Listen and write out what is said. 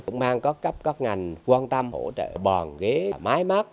cũng mang các ngành quan tâm hỗ trợ bàn ghế mái mắt